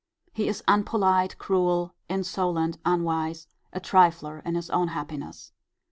He is unpolite, cruel, insolent, unwise, a trifler in his own happiness.